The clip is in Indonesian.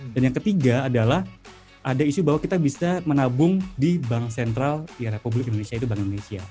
dan yang ketiga adalah ada isu bahwa kita bisa menabung di bank sentral republik indonesia yaitu bank indonesia